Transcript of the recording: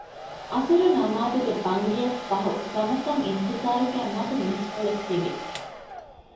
ޢަޞުރު ނަމާދުގެ ބަންގިއަށްފަހު ޤަމަތަށް އިންތިޒާރުގައި މަދު މީސްކޮޅެއް ތިވި